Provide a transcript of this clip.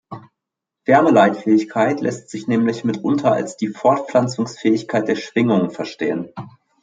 Wärmeleitfähigkeit lässt sich nämlich mitunter als die Fortpflanzungsfähigkeit der Schwingung verstehen.